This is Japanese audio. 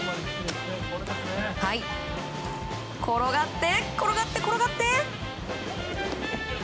転がって、転がって転がって。